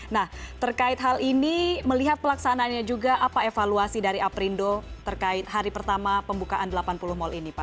nah terkait hal ini melihat pelaksanaannya juga apa evaluasi dari aprindo terkait hari pertama pembukaan delapan puluh mal ini pak